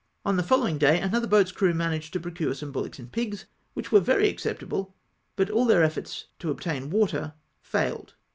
On the following day another boat's crew managed to procure some bullocks and pigs, which were very accept able, but all theii" efforts to obtain water failed.